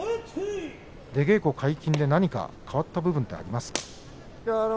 出稽古解禁で変わったことはありますか。